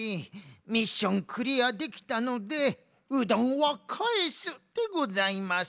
ミッションクリアできたのでうどんをかえすでございます。